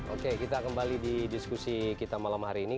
oke kita kembali di diskusi kita malam hari ini